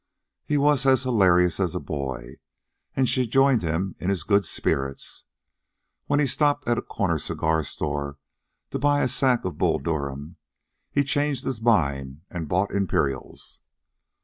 He was as hilarious as a boy, and she joined in his good spirits. When he stopped at a corner cigar store to buy a sack of Bull Durham, he changed his mind and bought Imperials.